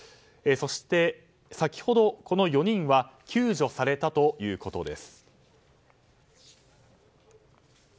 そして先ほど、この４人は救助されたということです。